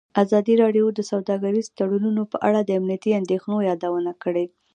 ازادي راډیو د سوداګریز تړونونه په اړه د امنیتي اندېښنو یادونه کړې.